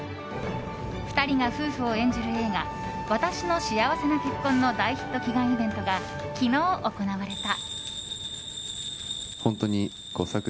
２人が夫婦を演じる映画「わたしの幸せな結婚」の大ヒット祈願イベントが昨日、行われた。